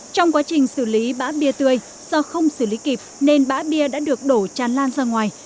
trong quá trình xử lý bã bia tươi do không xử lý kịp nên bã bia đã được đổ chán lan ra ngoài